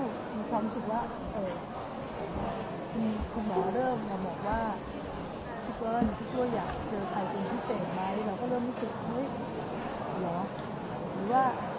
ซึ่งคุณช่างอีกตัว